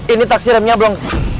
ini taksi remnya belum